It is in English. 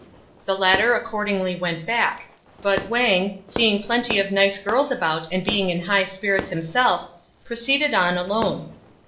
The latter accordingly went back ; but Wang, seeing plenty of nice girls about and being in high spirits himself, proceeded on alone.